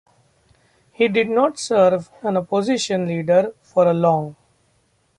He did not serve as opposition leader for long.